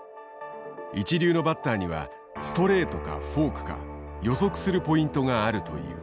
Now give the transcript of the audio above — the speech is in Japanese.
一流のバッターにはストレートかフォークか予測するポイントがあるという。